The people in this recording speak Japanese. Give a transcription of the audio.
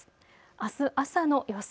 あす朝の予想